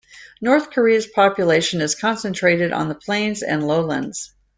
North Korea's population is concentrated in the plains and lowlands.